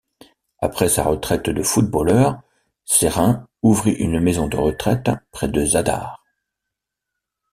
Après sa retraite de footballeur, Cerin ouvrit une maison de retraite près de Zadar.